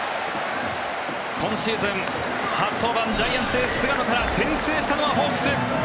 今シーズン初登板ジャイアンツ、エース、菅野から先制したのはホークス。